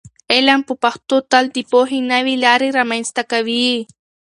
علم په پښتو تل د پوهې نوې لارې رامنځته کوي.